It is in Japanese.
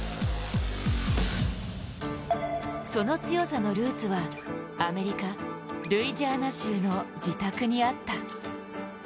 その強さのルーツはアメリカ・ルイジアナ州の自宅にあった。